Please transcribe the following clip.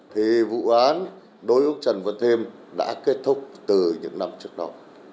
thì vụ án đối ước trần văn thêm đã kết thúc từ những năm trước đó